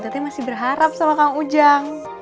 berarti masih berharap sama kang ujang